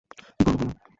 কি করবো বল?